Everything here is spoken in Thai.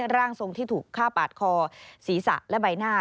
ร่างทรงที่ถูกฆ่าปาดคอศีรษะและใบหน้า